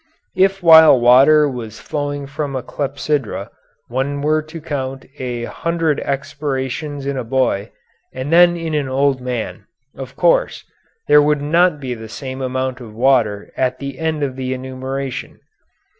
If, while water was flowing from a clepsydra, one were to count a hundred expirations in a boy, and then in an old man, of course, there would not be the same amount of water at the end of the enumeration.